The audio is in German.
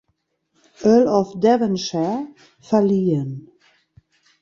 Earl of Devonshire, verliehen.